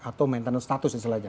atau maintenance status misalnya